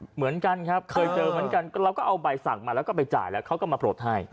เหมือนกันครับเคยเจอเหมือนกันเราก็เอาใบสั่งมาแล้วก็ไปจ่ายแล้วเขาก็มาโปรดให้